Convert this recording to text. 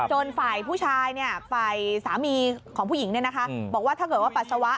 ฝ่ายผู้ชายฝ่ายสามีของผู้หญิงบอกว่าถ้าเกิดว่าปัสสาวะ